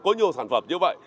có nhiều sản phẩm như vậy